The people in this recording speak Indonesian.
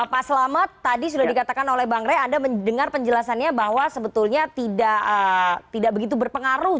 pak selamat tadi sudah dikatakan oleh bang rey anda mendengar penjelasannya bahwa sebetulnya tidak begitu berpengaruh